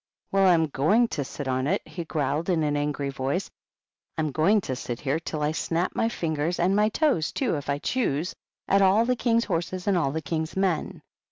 " Well, I'm going to sit on it," he growled, in an angry voice. "I'm going to sit here till I snap my fingers, and my toes, too, if I choose, at all the King's horses and all the King's men.